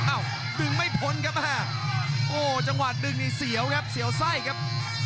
ดึงไม่พ้นครับโอ้จังหวะดึงนี่เสียวครับเสียวไส้ครับ